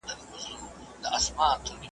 هغه په لوړ غږ په خپله مور غږ وکړ.